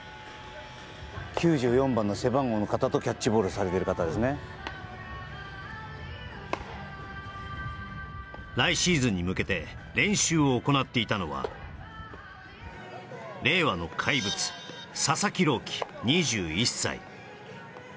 なるほど来シーズンに向けて練習を行っていたのは令和の怪物佐々木朗希２１歳